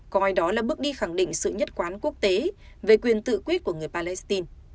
coi đó là bước đi khẳng định sự nhất quán quốc tế về quyền tự quyết của người palestine